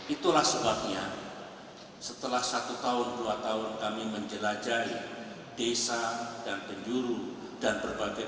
itulah sebabnya setelah satu tahun dua tahun kami menjelajahi desa dan penjuru dan berbagai